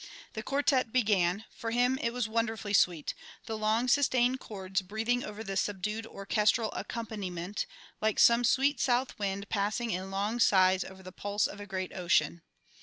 The quartet began; for him it was wonderfully sweet, the long sustained chords breathing over the subdued orchestral accompaniment, like some sweet south wind passing in long sighs over the pulse of a great ocean.